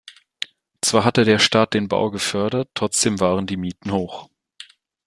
Zwar hatte der Staat den Bau gefördert, trotzdem waren die Mieten hoch.